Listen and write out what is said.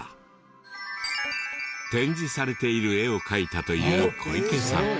展示されている絵を描いたという小池さん。